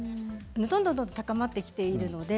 どんどん高まってきています。